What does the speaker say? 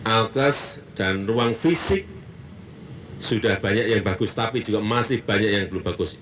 alkes dan ruang fisik sudah banyak yang bagus tapi juga masih banyak yang belum bagus